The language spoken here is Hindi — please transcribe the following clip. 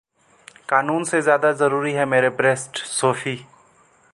कानून से ज्यादा जरूरी हैं मेरे ब्रेस्ट: सोफी